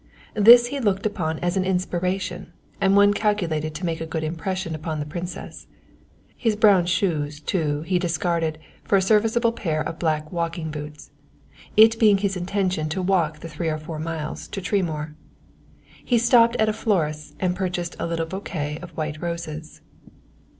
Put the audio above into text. This he looked upon as an inspiration and one calculated to make a good impression upon the Princess. His brown shoes, too, he discarded for a serviceable pair of black walking boots, it being his intention to walk the three or four miles to Tremoor. He stopped at a florist's and purchased a little bouquet of white roses.